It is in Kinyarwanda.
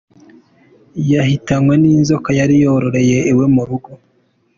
Yahitanywe n’inzoka yari yororeye iwe mu rugo.